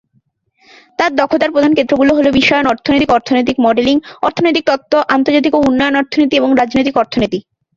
তার দক্ষতার প্রধান ক্ষেত্রগুলো হলো বিশ্বায়ন, অর্থনৈতিক ও অর্থনৈতিক মডেলিং, অর্থনৈতিক তত্ত্ব, আন্তর্জাতিক ও উন্নয়ন অর্থনীতি এবং রাজনৈতিক অর্থনীতি।